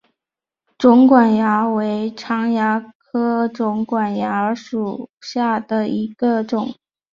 肿管蚜为常蚜科肿管蚜属下的一个种。